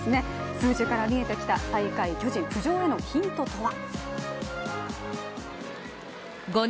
数字から見えてきた最下位・巨人浮上へのヒントとは。